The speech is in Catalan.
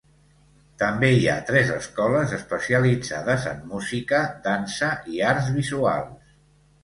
També hi ha tres escoles especialitzades en música, dansa i arts visuals.